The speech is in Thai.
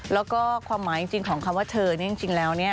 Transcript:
แล้วก็ความหมายจริงของคำว่าเธอจริงแล้วเนี่ย